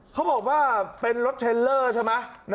เขาบอกว่าเป็นรถเทรลเลอร์ใช่ไหม